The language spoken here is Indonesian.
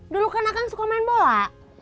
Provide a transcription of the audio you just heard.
dulu kan akan suka main bola